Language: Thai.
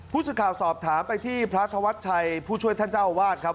ผู้สื่อข่าวสอบถามไปที่พระธวัชชัยผู้ช่วยท่านเจ้าอาวาสครับ